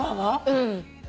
うん。